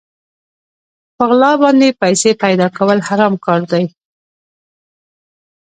په غلا باندې پيسې پيدا کول حرام کار دی.